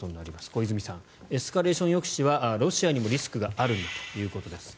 小泉さんエスカレーション抑止はロシアにもリスクがあるんだということです。